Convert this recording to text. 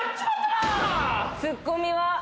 ツッコミは。